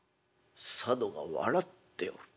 「佐渡が笑っておる。